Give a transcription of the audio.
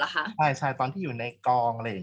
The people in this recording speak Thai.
กากตัวทำอะไรบ้างอยู่ตรงนี้คนเดียว